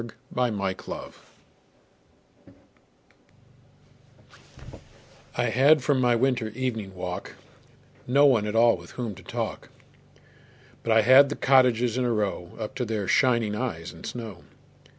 Good Hours I HAD for my winter evening walk No one at all with whom to talk, But I had the cottages in a row Up to their shining eyes in snow.